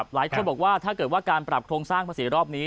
หลายคนบอกว่าถ้าเกิดว่าการปรับโครงสร้างภาษีรอบนี้